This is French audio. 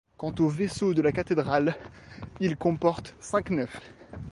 Quant au vaisseau de la cathédrale, il comporte cinq nefs.